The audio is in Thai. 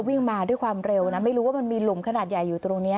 วิ่งมาด้วยความเร็วนะไม่รู้ว่ามันมีหลุมขนาดใหญ่อยู่ตรงนี้